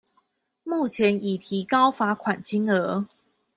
目前已提高罰款金額